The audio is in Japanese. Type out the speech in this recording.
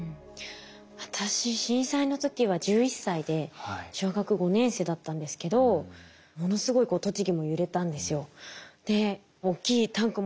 私震災の時は１１歳で小学５年生だったんですけどものすごい栃木も揺れたんですよ。